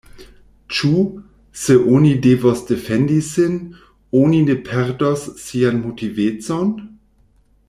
Ĉu, se oni devos defendi sin, oni ne perdos sian motivecon?